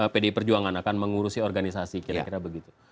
pdi perjuangan akan mengurusi organisasi kira kira begitu